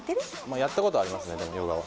やったことはありますねでもヨガは。